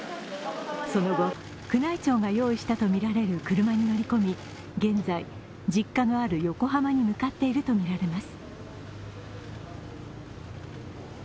その後、宮内庁が用意したとみられる車に乗り込み現在、実家のある横浜に向かっているとみられます。